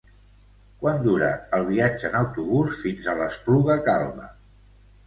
Quant dura el viatge en autobús fins a l'Espluga Calba?